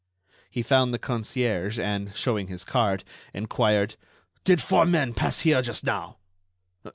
He found the concierge and, showing his card, enquired: "Did four men pass here just now?"